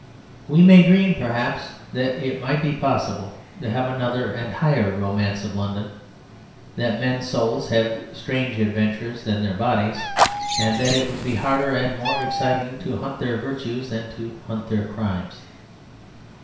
We may dream, perhaps, that it might be possible to have another and higher romance of London, that men's souls have stranger adventures than their bodies, and that it would be harder and more exciting to hunt their virtues than to hunt their crimes.